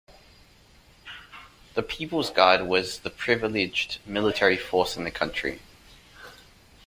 The People's Guard was the privileged military force in the country.